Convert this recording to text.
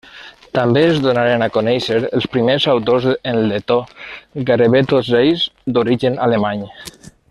També es donaren a conèixer els primers autors en letó, gairebé tots ells d'origen alemany.